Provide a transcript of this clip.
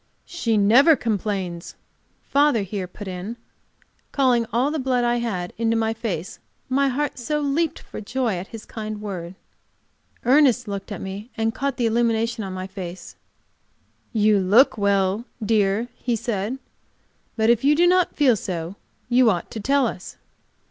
"She never complains," father here put in, calling all the blood I had into my face, my heart so leaped for joy at his kind word. Ernest looked at me and caught the illumination of my face. "You look well, dear," he said. "But if you do not feel so you ought to tell us.